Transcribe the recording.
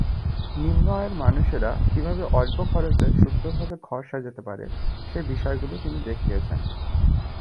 নিম্ন আয়ের মানুষেরা কিভাবে অল্প খরচে সুন্দরভাবে ঘর সাজাতে পারে সে বিষয়গুলো তিনি দেখিয়েছেন।